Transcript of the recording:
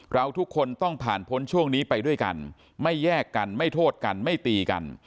เราทุกคนต้องผ่านพ้นช่วงนี้ไปด้วยกันไม่แยกกันไม่โทษกันไม่ตีกัน